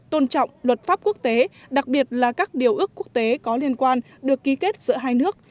tôn trọng luật pháp quốc tế đặc biệt là các điều ước quốc tế có liên quan được ký kết giữa hai nước